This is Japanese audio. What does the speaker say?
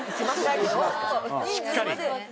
しっかり？